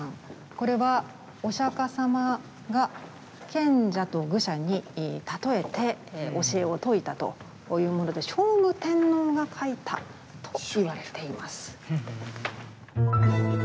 これはお釈迦様が賢者と愚者にたとえて教えを説いたというもので聖武天皇が書いたといわれています。